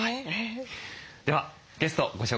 ではゲストをご紹介しましょう。